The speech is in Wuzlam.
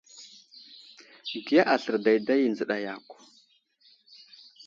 Giya aslər dayday i nzəɗa yakw.